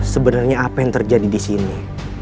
sebenarnya apa yang terjadi disini